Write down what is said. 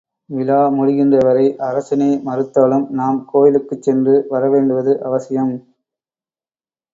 விழா முடிகின்றவரை அரசனே மறுத்தாலும் நாம் கோவிலுக்குச் சென்று வரவேண்டுவது அவசியம்!